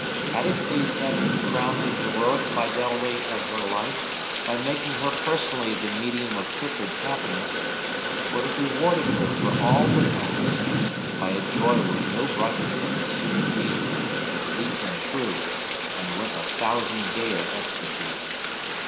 Had it pleased Heaven to crown the heroic fidelity of her life by making her personally the medium of Clifford's happiness, it would have rewarded her for all the past, by a joy with no bright tints, indeed, but deep and true, and worth a thousand gayer ecstasies.